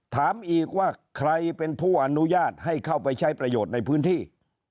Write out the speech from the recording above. ถามอีกว่าใครเป็นผู้อนุญาตให้เข้าไปใช้ประโยชน์ในพื้นที่